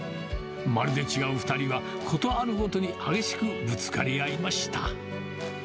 まるで違う２人は事あるごとに激しくぶつかり合いました。